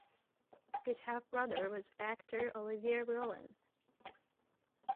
His half-brother was actor Olivier Rollin.